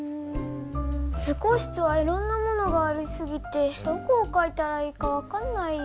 図工室はいろんなものがありすぎてどこをかいたらいいか分かんないよ。